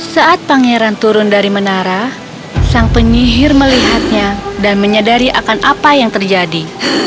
saat pangeran turun dari menara sang penyihir melihatnya dan menyadari akan apa yang terjadi